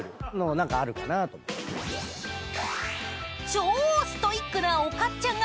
［超ストイックなおかっちゃんが］